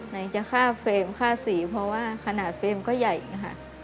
ไหนจะค่าเฟรมค่าสีเพราะว่าขนาดเฟรมก็ใหญ่ค่ะ